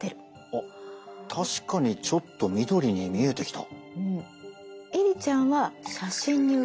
あっ確かにちょっと緑に見えてきた。